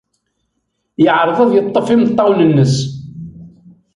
Yeɛreḍ ad yeḍḍef imeṭṭawen-nnes.